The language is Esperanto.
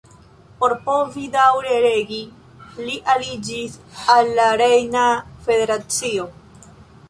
Por povi daŭre regi li aliĝis al la Rejna Federacio.